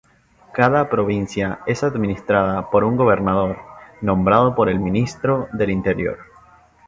Cada provincia es administrada por un gobernador, nombrado por el Ministro del Interior.